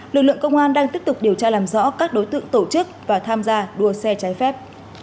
lực lượng công an đang tiếp tục điều tra làm rõ các đối tượng tổ chức và tham gia đua xe trái phép